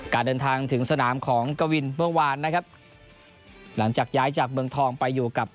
การเดินทางถึงสนามของกวินเมื่อวานนะครับหลังจากย้ายจากเมืองทองไปอยู่กับ